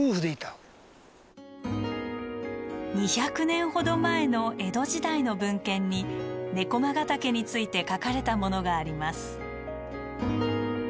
２００年ほど前の江戸時代の文献に猫魔ヶ岳について書かれたものがあります。